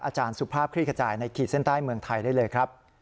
อาจารย์สุภาพคลี่ขจายในขีดเส้นใต้เมืองไทยได้เลยครับ